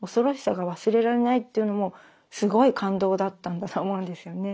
というのもすごい感動だったんだと思うんですよね。